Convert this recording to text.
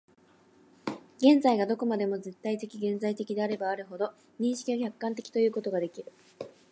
現在がどこまでも絶対現在的であればあるほど、認識が客観的ということができる。